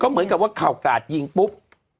เหมือนกับว่าข่าวกราดยิงปุ๊บ